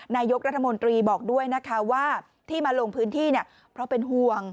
นายกรัฐมนตรีบอกด้วยนะคะว่าที่มาลงพื้นที่เนี่ยเพราะเป็นห่วง